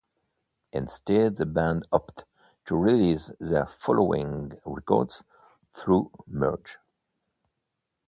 Instead, the band opted to release their following records through Merge.